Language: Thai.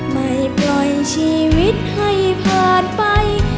ไม่ปล่อยชีวิตให้ผ่านไป